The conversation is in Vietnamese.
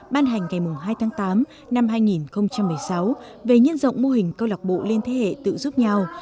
ban hành ngày hai tháng tám năm hai nghìn một mươi sáu về nhân rộng mô hình câu lạc bộ liên thế hệ tự giúp nhau